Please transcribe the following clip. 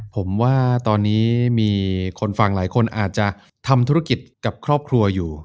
ผมว่าตอนนี้มีคนฟังหลายคนอาจจะทำธุรกิจกับครอบครัวอยู่